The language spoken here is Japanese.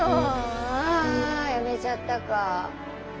あやめちゃったか。